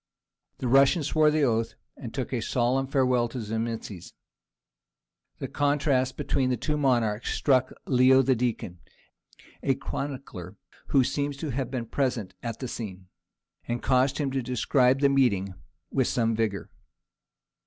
The Russian swore the oath and took a solemn farewell of Zimisces. The contrast between the two monarchs struck Leo the Deacon, a chronicler who seems to have been present at the scene, and caused him to describe the meeting with some vigour.